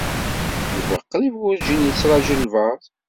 Yuba qrib werǧin yettṛaju albaɛḍ.